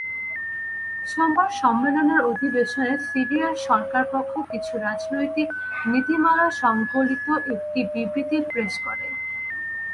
সোমবার সম্মেলনের অধিবেশনে সিরিয়ার সরকারপক্ষ কিছু রাজনৈতিক নীতিমালাসংবলিত একটি বিবৃতি পেশ করে।